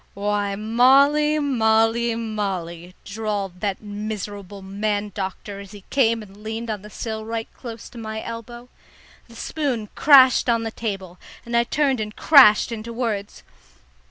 "Why, Molly, Molly, Molly!" drawled that miserable man doctor as he came and leaned on the sill right close to my elbow. The spoon crashed on the table, and I turned and crashed into words.